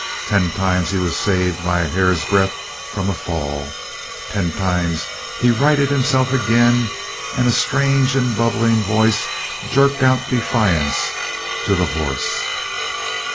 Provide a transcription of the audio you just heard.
Ten times he was saved by a hair's breadth from a fall; ten times he righted himself again and a strange and bubbling voice jerked out defiance to the horse.